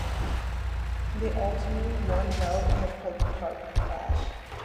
They ultimately won well in the Croke Park clash.